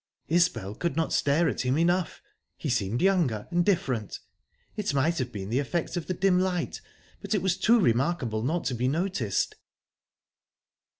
Isbel could not stare at him enough. He seemed younger, and different. It might have been the effect of the dim light, but it was too remarkable not to be noticed.